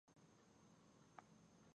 هغوی په تاوده غزل کې پر بل باندې ژمن شول.